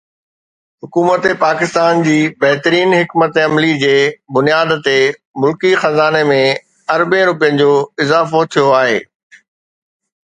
حڪومت پاڪستان جي بهترين حڪمت عملي جي بنياد تي ملڪي خزاني ۾ اربين رپين جو اضافو ٿيو آهي.